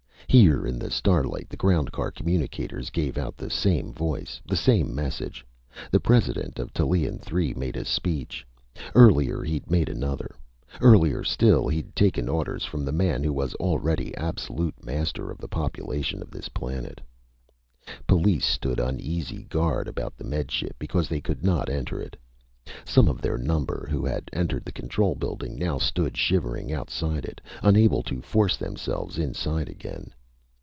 Here in the starlight the ground car communicators gave out the same voice. The same message. The President of Tallien Three made a speech. Earlier, he'd made another. Earlier still he'd taken orders from the man who was already absolute master of the population of this planet. Police stood uneasy guard about the Med Ship because they could not enter it. Some of their number who had entered the control building now stood shivering outside it, unable to force themselves inside again.